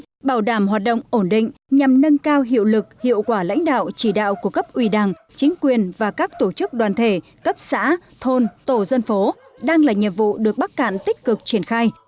để bảo đảm hoạt động ổn định nhằm nâng cao hiệu lực hiệu quả lãnh đạo chỉ đạo của cấp ủy đảng chính quyền và các tổ chức đoàn thể cấp xã thôn tổ dân phố đang là nhiệm vụ được bắc cạn tích cực triển khai